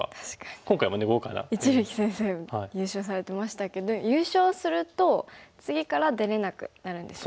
一力先生優勝されてましたけど優勝すると次から出れなくなるんですよね。